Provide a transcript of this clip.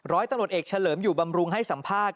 ร้อยตำรวจเอกเฉลิมอยู่บำรุงให้สัมภาษณ์